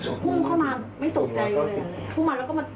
อืม